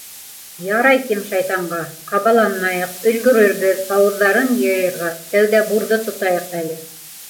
Ярай, тим шайтанға, ҡабаланмайыҡ, өлгөрөрбөҙ ауыҙҙарын йырырға, тәүҙә бурҙы тотайыҡ әле.